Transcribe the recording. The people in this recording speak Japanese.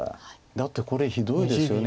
だってこれひどいですよね。